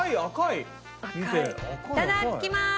いただきます！